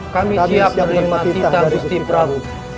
kami siap menerima titah gusti prabu